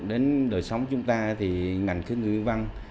đến đời sống chúng ta thì ngành khí tượng thủy văn